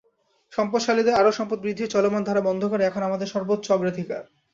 সম্পদশালীদের আরও সম্পদ বৃদ্ধির চলমান ধারা বন্ধ করাই এখন আমার সর্বোচ্চ অগ্রাধিকার।